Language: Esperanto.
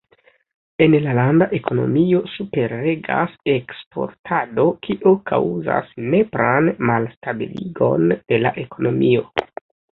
En la landa ekonomio superregas eksportado, kio kaŭzas nepran malstabiligon de la ekonomio.